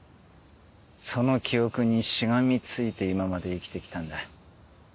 その記憶にしがみついて今まで生きてきたんだ。